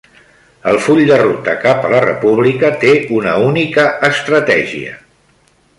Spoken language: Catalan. El full de ruta cap a la República té una única estratègia